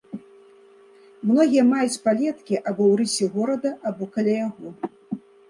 Многія маюць палеткі або ў рысе горада, або каля яго.